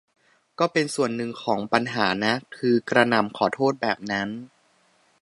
ก็เป็นส่วนหนึ่งของปัญหานะ คือกระหน่ำขอโทษแบบนั้น